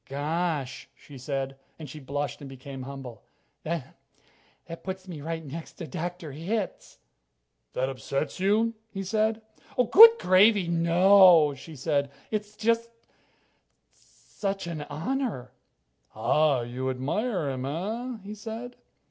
"Gosh " she said, and she blushed and became humble "that that puts me right next to Dr. Hitz." "That upsets you?" he said. "Good gravy, no!" she said. "It's it's just such an honor." "Ah, You... you admire him, eh?" he said.